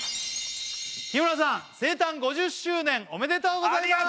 日村さん生誕５０周年おめでとうございます！